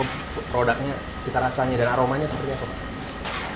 produknya citarasanya dan aromanya seperti apa pak